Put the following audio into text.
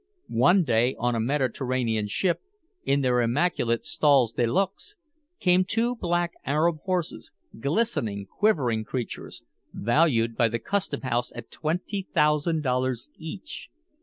One day on a Mediterranean ship, in their immaculate "stalls de luxe," came two black Arab horses, glistening, quivering creatures, valued by the customhouse at twenty thousand dollars each.